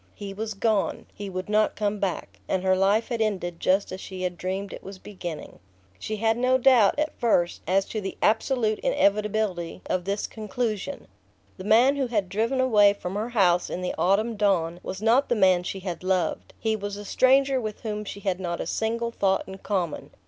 He was gone; he would not come back; and her life had ended just as she had dreamed it was beginning. She had no doubt, at first, as to the absolute inevitability of this conclusion. The man who had driven away from her house in the autumn dawn was not the man she had loved; he was a stranger with whom she had not a single thought in common.